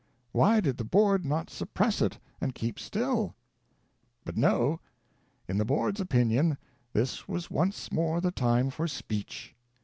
Why did the Board not suppress it and keep still ? But no ; in the Board's opinion, this was once more the time for speech.